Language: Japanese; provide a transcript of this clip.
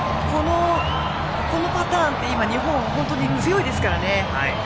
このパターンって今、日本は本当に強いですからね。